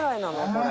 これ」